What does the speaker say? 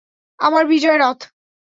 আমার বিজয় রথ!